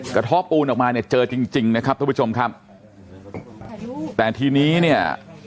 กระท้อปูนออกมาเนี่ยเจอจริงจริงนะครับทุกผู้ชมครับแต่ทีนี้เนี่ย